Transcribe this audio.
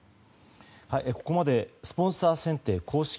ここまでスポンサー選定公式